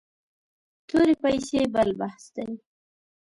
تورې پیسې بل بحث دی.